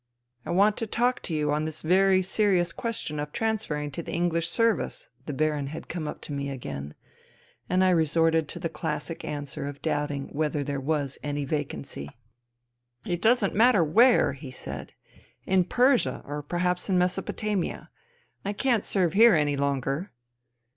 " I want to talk to you on this very serious question of transferring to the Enghsh Service." The Baron had come up to me again. And I resorted to the classic answer of doubting whether there was " any vacancy." I 180 FUTILITY " It doesn't matter where y' he said. " In Persia, or perhaps in Mesopotamia. I can't serve here anj longer.